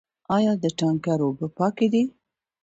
آیا د تانکر اوبه پاکې دي؟